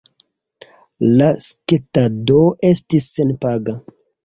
La sketado estis senpaga.